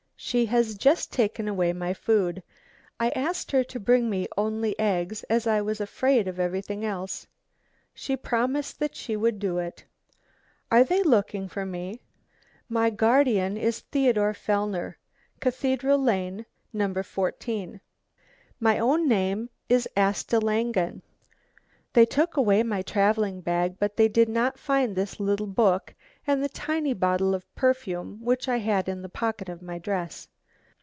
"She has just taken away my food. I asked her to bring me only eggs as I was afraid of everything else. She promised that she would do it. "Are they looking for me? My guardian is Theodore Fellner, Cathedral Lane, 14. My own name is Asta Langen. "They took away my travelling bag, but they did not find this little book and the tiny bottle of perfume which I had in the pocket of my dress.